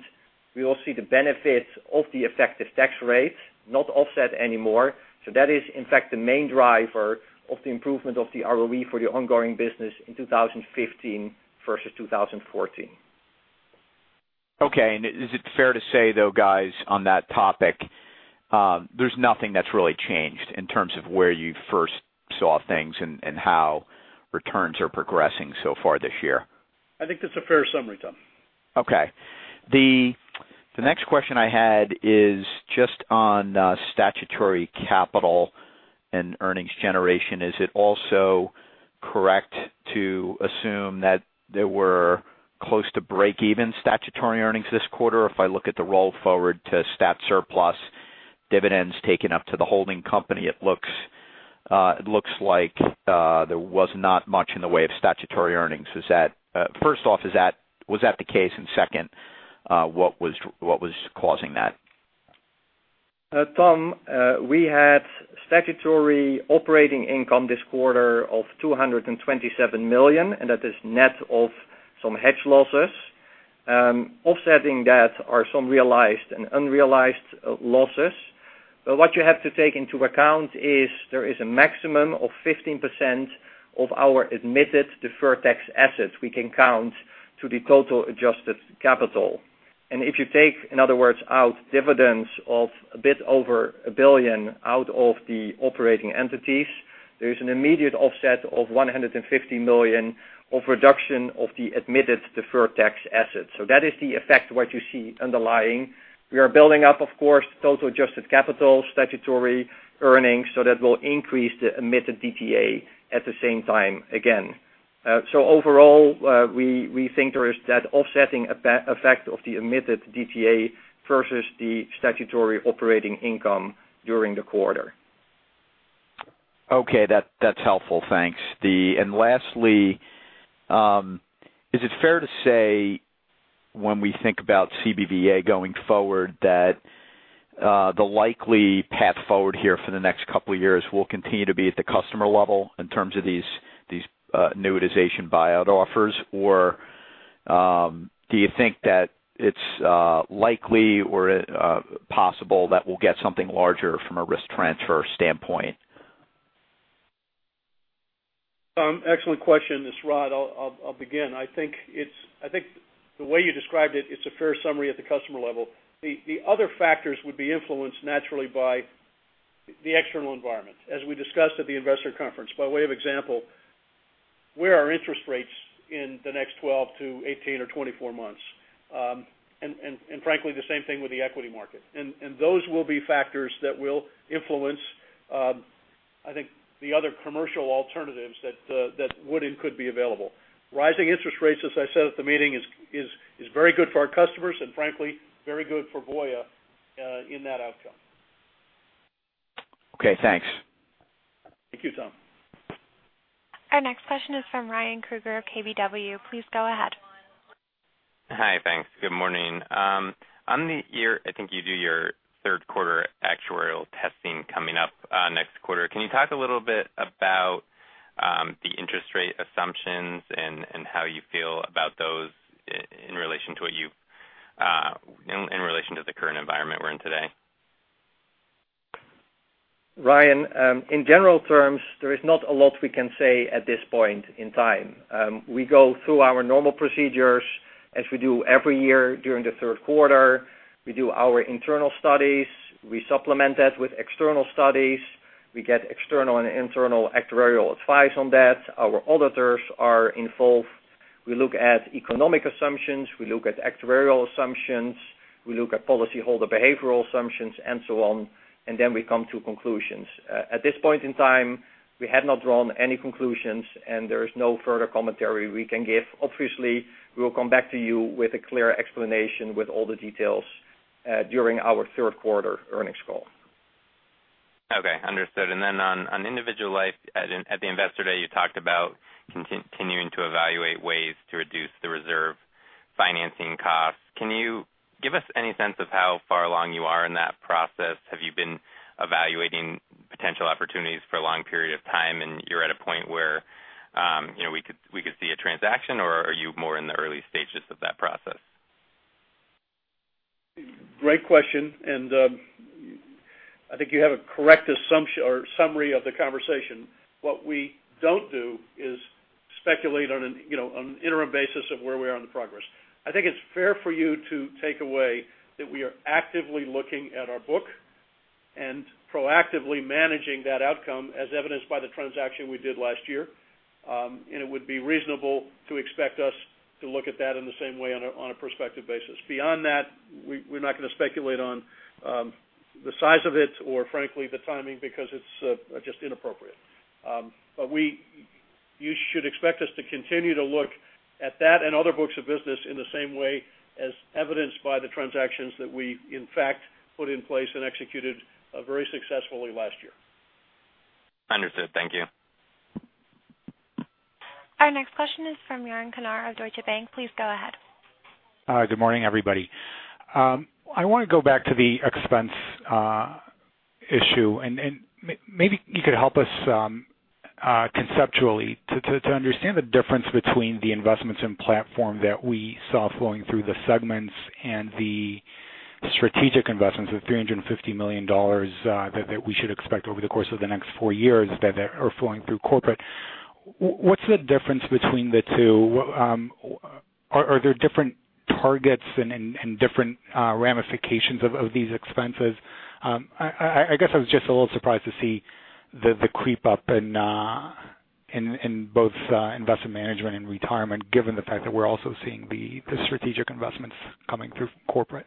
we will see the benefits of the effective tax rate not offset anymore. That is, in fact, the main driver of the improvement of the ROE for the ongoing business in 2015 versus 2014. Okay. Is it fair to say, though, guys, on that topic, there's nothing that's really changed in terms of where you first saw things and how returns are progressing so far this year? I think that's a fair summary, Tom. Okay. The next question I had is just on statutory capital and earnings generation. Is it also correct to assume that there were close to breakeven statutory earnings this quarter? If I look at the roll forward to stat surplus dividends taken up to the holding company, it looks like there was not much in the way of statutory earnings. First off, was that the case? Second, what was causing that? Tom, we had statutory operating income this quarter of $227 million. That is net of some hedge losses. Offsetting that are some realized and unrealized losses. What you have to take into account is there is a maximum of 15% of our admitted deferred tax assets we can count to the total adjusted capital. If you take, in other words, out dividends of a bit over $1 billion out of the operating entities, there is an immediate offset of $150 million of reduction of the admitted deferred tax assets. That is the effect what you see underlying. We are building up, of course, total adjusted capital statutory earnings, that will increase the admitted DTA at the same time again. Overall, we think there is that offsetting effect of the admitted DTA versus the statutory operating income during the quarter. Okay. That's helpful. Thanks. Lastly, is it fair to say, when we think about CBVA going forward, that the likely path forward here for the next couple of years will continue to be at the customer level in terms of these annuitization buyout offers? Do you think that it's likely or possible that we'll get something larger from a risk transfer standpoint? Tom, excellent question. It's Rod. I'll begin. I think the way you described it's a fair summary at the customer level. The other factors would be influenced naturally by the external environment, as we discussed at the investor conference. By way of example, where are interest rates in the next 12 to 18 or 24 months? Frankly, the same thing with the equity market. Those will be factors that will influence, I think, the other commercial alternatives that would and could be available. Rising interest rates, as I said at the meeting, is very good for our customers and frankly, very good for Voya in that outcome Okay, thanks. Thank you, Tom. Our next question is from Ryan Krueger of KBW. Please go ahead. Hi, thanks. Good morning. On the year, I think you do your third quarter actuarial testing coming up next quarter. Can you talk a little bit about the interest rate assumptions and how you feel about those in relation to the current environment we're in today? Ryan, in general terms, there is not a lot we can say at this point in time. We go through our normal procedures as we do every year during the third quarter. We do our internal studies. We supplement that with external studies. We get external and internal actuarial advice on that. Our auditors are involved. We look at economic assumptions. We look at actuarial assumptions. We look at policyholder behavioral assumptions and so on. Then we come to conclusions. At this point in time, we have not drawn any conclusions, and there is no further commentary we can give. Obviously, we will come back to you with a clear explanation with all the details, during our third quarter earnings call. Okay, understood. Then on Individual Life, at the Investor Day, you talked about continuing to evaluate ways to reduce the reserve financing costs. Can you give us any sense of how far along you are in that process? Have you been evaluating potential opportunities for a long period of time and you're at a point where we could see a transaction, or are you more in the early stages of that process? Great question. I think you have a correct summary of the conversation. What we don't do is speculate on an interim basis of where we are on the progress. I think it's fair for you to take away that we are actively looking at our book and proactively managing that outcome, as evidenced by the transaction we did last year. It would be reasonable to expect us to look at that in the same way on a prospective basis. Beyond that, we're not going to speculate on the size of it or frankly, the timing, because it's just inappropriate. You should expect us to continue to look at that and other books of business in the same way as evidenced by the transactions that we, in fact, put in place and executed very successfully last year. Understood. Thank you. Our next question is from Yaron Kinar of Deutsche Bank. Please go ahead. Hi. Good morning, everybody. I want to go back to the expense issue. Maybe you could help us conceptually to understand the difference between the investments in platform that we saw flowing through the segments and the strategic investments of $350 million that we should expect over the course of the next four years that are flowing through corporate. What's the difference between the two? Are there different targets and different ramifications of these expenses? I guess I was just a little surprised to see the creep up in both investment management and retirement, given the fact that we're also seeing the strategic investments coming through corporate.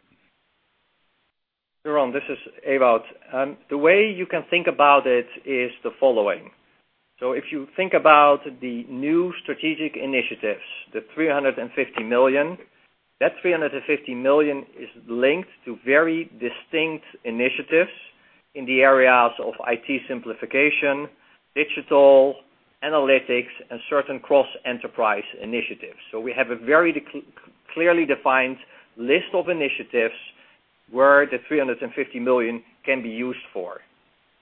Yaron, this is Ewout. The way you can think about it is the following. If you think about the new strategic initiatives, the $350 million, that $350 million is linked to very distinct initiatives in the areas of IT simplification, digital, analytics, and certain cross-enterprise initiatives. We have a very clearly defined list of initiatives where the $350 million can be used for.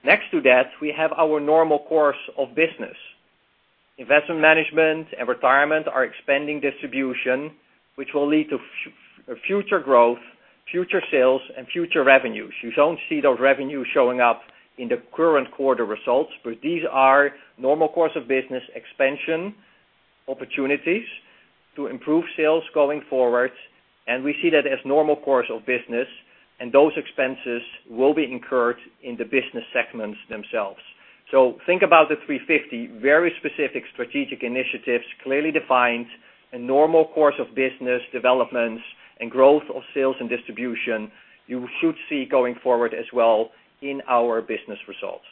Next to that, we have our normal course of business. Investment management and retirement are expanding distribution, which will lead to future growth, future sales, and future revenues. You don't see those revenues showing up in the current quarter results. These are normal course of business expansion opportunities to improve sales going forward. We see that as normal course of business. Those expenses will be incurred in the business segments themselves. Think about the $350, very specific strategic initiatives, clearly defined, a normal course of business developments and growth of sales and distribution you should see going forward as well in our business results.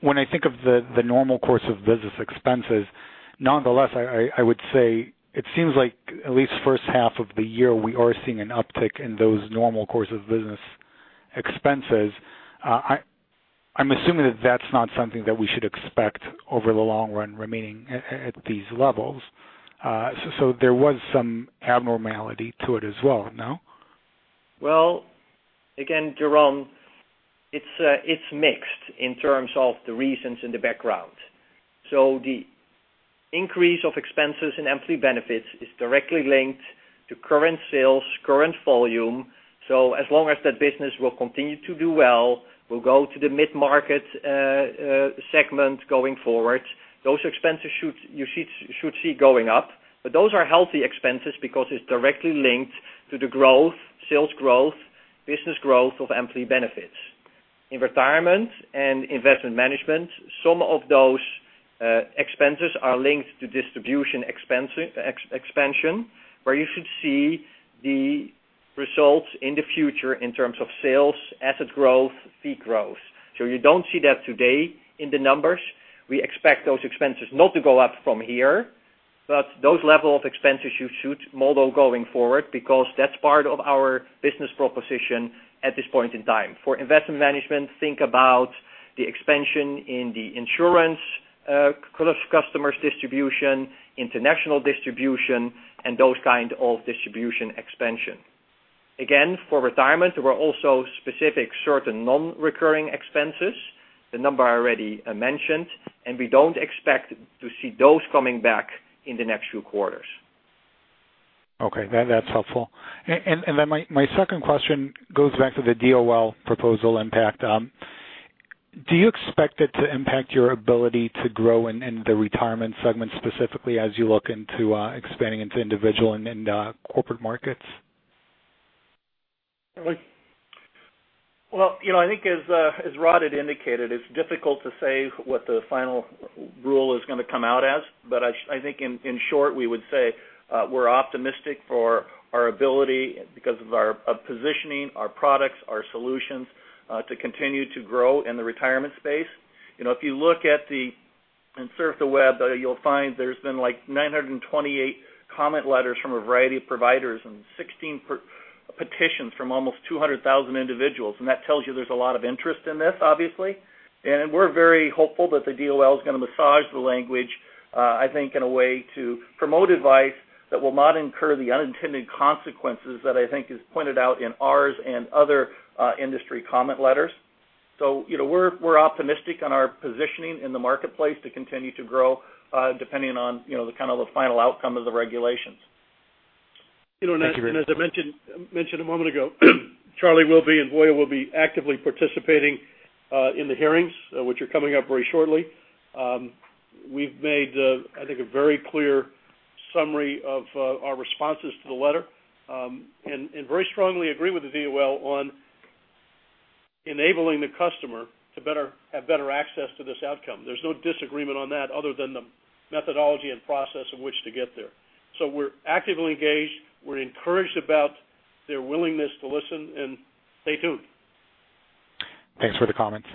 When I think of the normal course of business expenses, nonetheless, I would say it seems like at least first half of the year, we are seeing an uptick in those normal course of business expenses. I'm assuming that that's not something that we should expect over the long run remaining at these levels. There was some abnormality to it as well, no? Again, Yaron, it's mixed in terms of the reasons in the background. The increase of expenses in employee benefits is directly linked to current sales, current volume. As long as that business will continue to do well, we'll go to the mid-market segment going forward. Those expenses you should see going up. Those are healthy expenses because it's directly linked to the sales growth, business growth of employee benefits. In Retirement and Investment Management, some of those expenses are linked to distribution expansion, where you should see the results in the future in terms of sales, asset growth, fee growth. You don't see that today in the numbers. We expect those expenses not to go up from here. Those level of expenses you should model going forward because that's part of our business proposition at this point in time. For Investment Management, think about the expansion in the insurance customers distribution, international distribution, and those kind of distribution expansion. Again, for Retirement, there were also specific certain non-recurring expenses, the number I already mentioned, we don't expect to see those coming back in the next few quarters. That's helpful. My second question goes back to the DOL proposal impact. Do you expect it to impact your ability to grow in the Retirement segment specifically as you look into expanding into individual and corporate markets? I think as Rod had indicated, it's difficult to say what the final rule is going to come out as. I think in short, we would say, we're optimistic for our ability because of our positioning, our products, our solutions, to continue to grow in the Retirement space. If you look at and surf the web, you'll find there's been like 928 comment letters from a variety of providers and 16 petitions from almost 200,000 individuals. That tells you there's a lot of interest in this, obviously. We're very hopeful that the DOL is going to massage the language, I think, in a way to promote advice that will not incur the unintended consequences that I think is pointed out in ours and other industry comment letters. We're optimistic on our positioning in the marketplace to continue to grow, depending on the final outcome of the regulations. Thank you very much. As I mentioned a moment ago, Charlie will be and Voya will be actively participating in the hearings, which are coming up very shortly. We've made, I think, a very clear summary of our responses to the letter, and very strongly agree with the DOL on enabling the customer to have better access to this outcome. There's no disagreement on that other than the methodology and process of which to get there. We're actively engaged. We're encouraged about their willingness to listen and stay tuned. Thanks for the comments.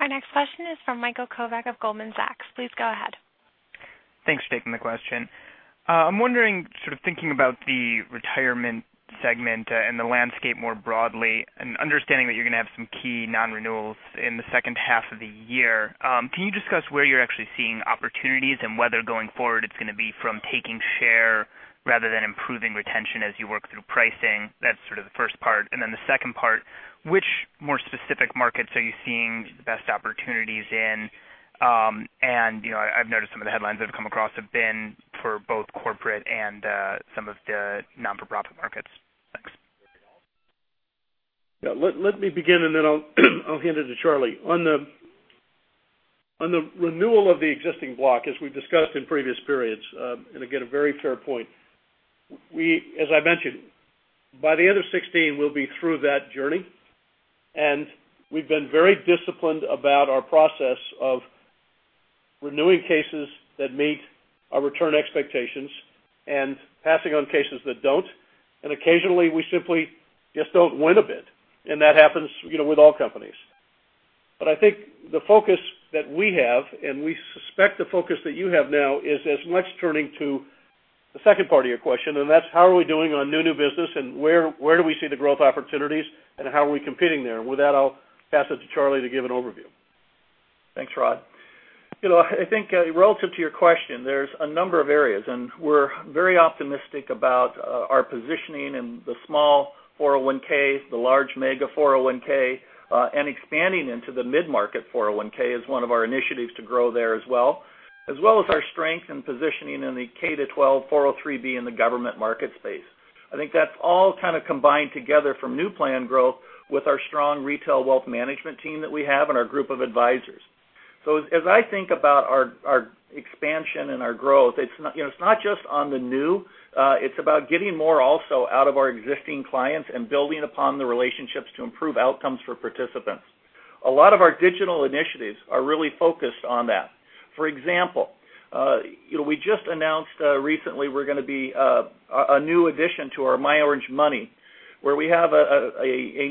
Our next question is from Michael Kovac of Goldman Sachs. Please go ahead. Thanks for taking the question. I'm wondering, sort of thinking about the retirement segment and the landscape more broadly and understanding that you're going to have some key non-renewals in the second half of the year. Can you discuss where you're actually seeing opportunities and whether going forward it's going to be from taking share rather than improving retention as you work through pricing? That's sort of the first part. Then the second part, which more specific markets are you seeing the best opportunities in? I've noticed some of the headlines I've come across have been for both corporate and some of the not-for-profit markets. Thanks. Yeah, let me begin and then I'll hand it to Charlie. On the renewal of the existing block, as we've discussed in previous periods, again, a very fair point. As I mentioned, by the end of 2016, we'll be through that journey, and we've been very disciplined about our process of renewing cases that meet our return expectations and passing on cases that don't. Occasionally, we simply just don't win a bid, and that happens with all companies. I think the focus that we have, and we suspect the focus that you have now is as much turning to the second part of your question, that's how are we doing on new business and where do we see the growth opportunities and how are we competing there? With that, I'll pass it to Charlie to give an overview. Thanks, Rod. I think relative to your question, there's a number of areas, and we're very optimistic about our positioning in the small 401(k), the large mega 401(k), and expanding into the mid-market 401(k) as one of our initiatives to grow there as well, as well as our strength and positioning in the K-12 403(b) in the government market space. I think that's all kind of combined together from new plan growth with our strong retail wealth management team that we have and our group of advisors. As I think about our expansion and our growth, it's not just on the new, it's about getting more also out of our existing clients and building upon the relationships to improve outcomes for participants. A lot of our digital initiatives are really focused on that. For example, we just announced recently we're going to be a new addition to our myOrangeMoney, where we have a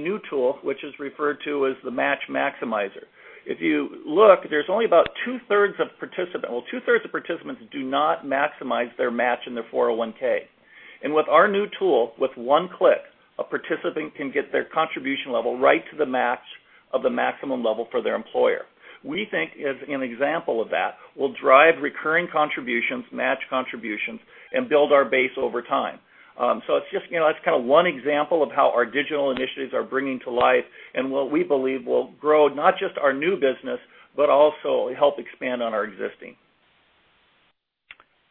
new tool, which is referred to as the Match Maximizer. If you look, there's only about two-thirds of participants do not maximize their match in their 401(k). With our new tool, with one click, a participant can get their contribution level right to the match of the maximum level for their employer. We think as an example of that, will drive recurring contributions, match contributions, and build our base over time. It's kind of one example of how our digital initiatives are bringing to life and what we believe will grow not just our new business, but also help expand on our existing.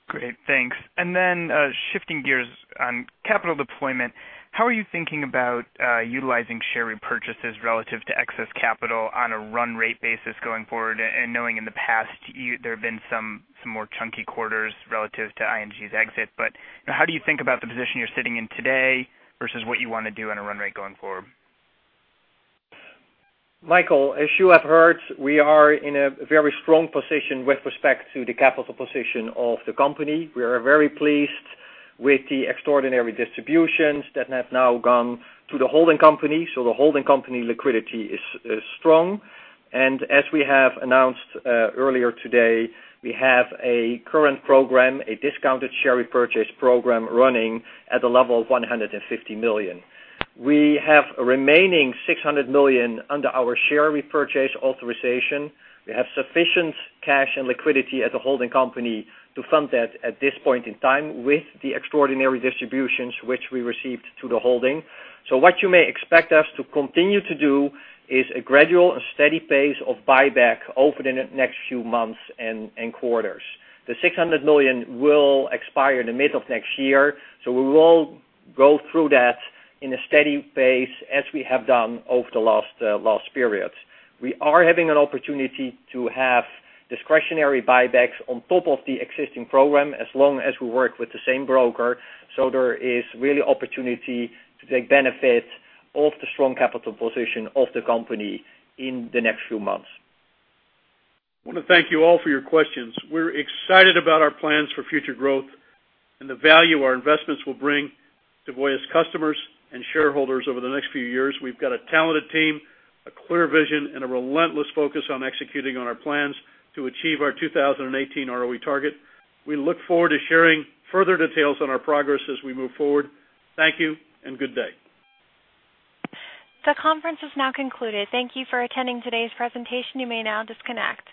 Great. Thanks. Then shifting gears on capital deployment, how are you thinking about utilizing share repurchases relative to excess capital on a run rate basis going forward and knowing in the past there have been some more chunky quarters relative to ING's exit. How do you think about the position you're sitting in today versus what you want to do on a run rate going forward? Michael, as you have heard, we are in a very strong position with respect to the capital position of the company. We are very pleased with the extraordinary distributions that have now gone to the holding company. The holding company liquidity is strong. As we have announced earlier today, we have a current program, a discounted share repurchase program running at the level of $150 million. We have a remaining $600 million under our share repurchase authorization. We have sufficient cash and liquidity at the holding company to fund that at this point in time with the extraordinary distributions which we received to the holding. What you may expect us to continue to do is a gradual and steady pace of buyback over the next few months and quarters. The $600 million will expire in the mid of next year, we will go through that in a steady pace as we have done over the last periods. We are having an opportunity to have discretionary buybacks on top of the existing program as long as we work with the same broker. There is really opportunity to take benefit of the strong capital position of the company in the next few months. I want to thank you all for your questions. We're excited about our plans for future growth and the value our investments will bring to Voya's customers and shareholders over the next few years. We've got a talented team, a clear vision, and a relentless focus on executing on our plans to achieve our 2018 ROE target. We look forward to sharing further details on our progress as we move forward. Thank you and good day. The conference is now concluded. Thank you for attending today's presentation. You may now disconnect.